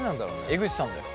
江口さんだよ。